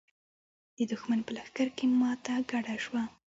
د دښمن په لښکر کې ماته ګډه شوه.